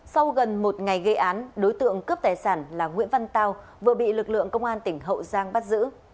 sau gần một ngày gây án đối tượng cướp tài sản là nguyễn văn tao vừa bị lực lượng công an tỉnh hậu giang bắt giữ